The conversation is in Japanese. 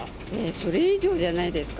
それ以上じゃないですか？